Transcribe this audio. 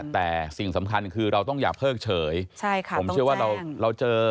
แต่สิ่งสำคัญคือเราต้องอย่าเพิ่งเฉยใช่ค่ะผมเชื่อว่าเราเราเจอ